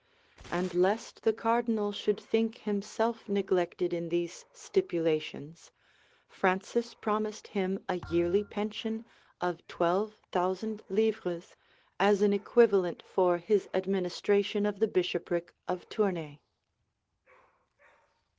[] And lest the cardinal should think himself neglected in these stipulations, Francis promised him a yearly pension of twelve thousand livres, as an equivalent for his administration of the bishopric of Tournay.